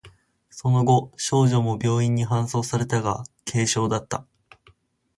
その後、少女も病院に搬送されたが、軽傷だった。